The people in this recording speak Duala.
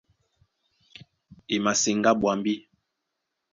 E maseŋgá ɓwambí.